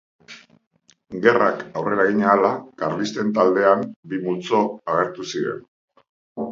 Gerrak aurrera egin ahala, karlisten taldean bi multzo agertu ziren.